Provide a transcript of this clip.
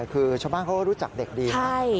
คือชาวบ้านเขาก็รู้จักเด็กดีนะ